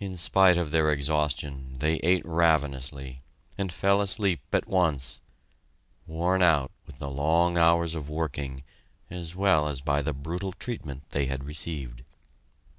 In spite of their exhaustion, they ate ravenously, and fell asleep at once, worn out with the long hours of working as well as by the brutal treatment they had received.